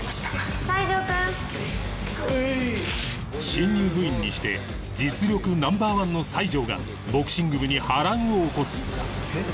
新入部員にして実力ナンバーワンの西条がボクシング部に波乱を起こすえっ？